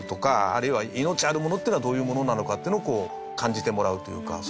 あるいは命あるものっていうのはどういうものなのかっていうのを感じてもらうというか。